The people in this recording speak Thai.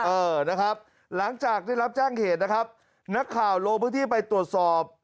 เออนะครับหลังจากได้รับแจ้งเหตุนะครับนักข่าวลงพื้นที่ไปตรวจสอบ